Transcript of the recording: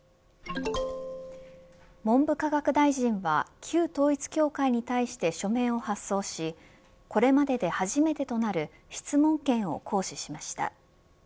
文部科学大臣は旧統一教会に対して書面を発送しこれまでで初めてとなる質問権を行使しました。